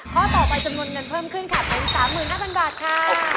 ข้อต่อไปจำนวนเงินเพิ่มขึ้นค่ะเป็น๓๕๐๐บาทค่ะ